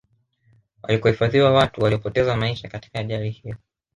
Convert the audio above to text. walikohifadhiwa watu waliopeza maisha katika ajali hiyo